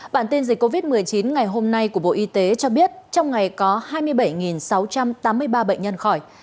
bản tin dịch covid một mươi chín ngày hôm nay của bộ y tế cho biết trong ngày có hai mươi bảy sáu trăm tám mươi ba bệnh nhân khỏi